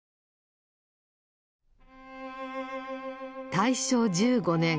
大正１５年。